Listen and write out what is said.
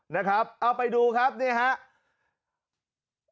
นะครับเอาไปดูครับนี่ครับ